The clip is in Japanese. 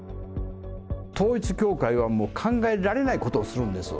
統一教会はもう、考えられないことをするんです。